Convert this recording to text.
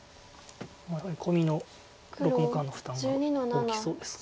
やはりコミの６目半の負担が大きそうですか。